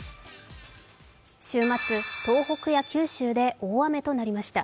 週末、東北や九州で大雨となりました。